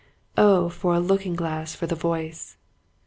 " O for a looking glass for the voice